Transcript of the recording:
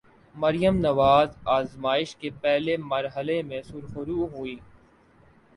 مریم نواز آزمائش کے پہلے مرحلے میں سرخرو ہوئیں۔